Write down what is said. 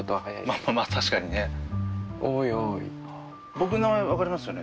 僕の名前分かりますよね